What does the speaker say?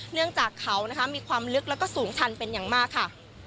เนื่องจากเขานะคะมีความลึกแล้วก็สูงชันเป็นอย่างมากค่ะ